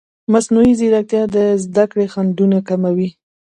مصنوعي ځیرکتیا د زده کړې خنډونه کموي.